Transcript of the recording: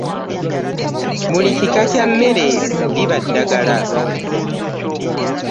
Buli kika kya mmere liba ddagala.